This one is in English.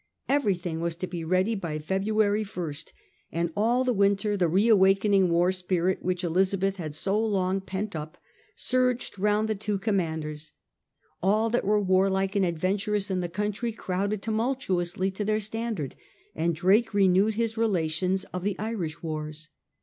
Everything was to be ready by February lst> and all the winter the reawakened war spirit which Elizabeth had so long pent up surged round the two commanders. All that was warlike and adventurous in the country crowded tumultuously to their standard, and Drake renewed his relations of the Irish wars.